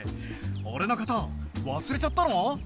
俺のこと忘れちゃったの？